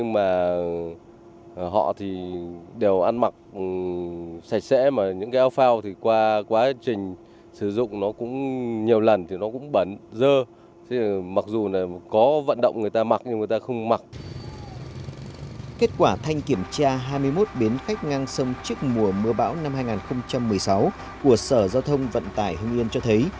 một bến khách ngang sông trước mùa mưa bão năm hai nghìn một mươi sáu của sở giao thông vận tải hương yên cho thấy